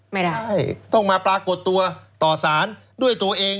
ไม่ได้ใช่ต้องมาปรากฏตัวต่อสารด้วยตัวเอง